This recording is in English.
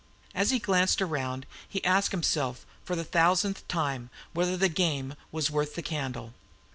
As he glanced around him he asked himself for the thousandth time whether the game was worth the candle.